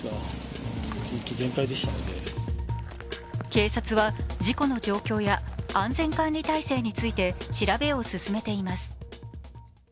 警察は事故の状況や安全管理体制について調べを進めています。